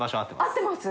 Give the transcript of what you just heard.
合ってます？